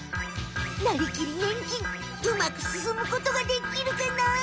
なりきりねん菌うまくすすむことがでっきるかな？